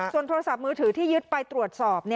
ส่วนโทรศัพท์มือถือที่ยึดไปตรวจสอบ